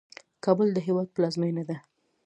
کابل د هیواد پلازمینه ده